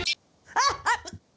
あっ！